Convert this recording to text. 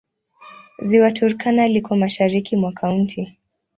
Ziwa Turkana liko mashariki mwa kaunti.